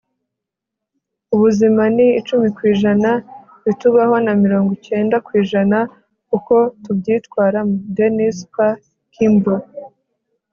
ubuzima ni icumi ku ijana bitubaho na mirongo icyenda ku ijana uko tubyitwaramo. -dennis p. kimbro